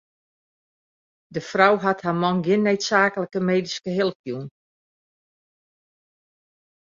De frou hat har man gjin needsaaklike medyske help jûn.